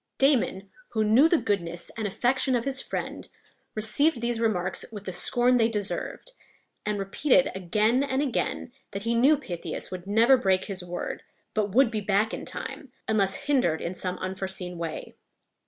Damon, who knew the goodness and affection of his friend, received these remarks with the scorn they deserved, and repeated again and again that he knew Pythias would never break his word, but would be back in time, unless hindered in some unforeseen way.